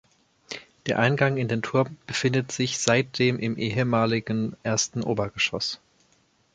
Der Eingang in den Turm befindet sich seitdem im ehemaligen ersten Obergeschoss.